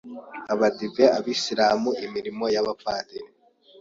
abadive, abayisilamu, imirimo y’abapadiri,